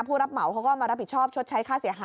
รับเหมาเขาก็มารับผิดชอบชดใช้ค่าเสียหาย